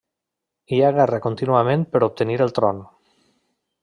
Hi ha guerra contínuament per obtenir el tron.